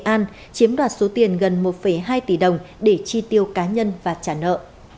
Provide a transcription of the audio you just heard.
an chiếm đoạt số tiền gần một hai tỷ đồng để chi tiêu cá nhân và trả nợ